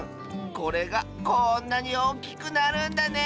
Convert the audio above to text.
これがこんなにおおきくなるんだね！